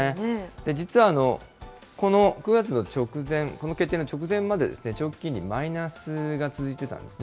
実はこの９月の直前、この決定の直前まで、長期金利、マイナスが続いてたんですね。